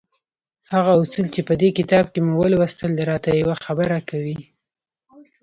هغه اصول چې په دې کتاب کې مو ولوستل را ته يوه خبره کوي.